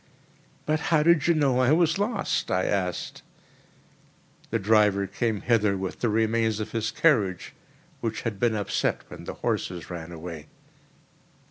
"But how did you know I was lost?" I asked. "The driver came hither with the remains of his carriage, which had been upset when the horses ran away."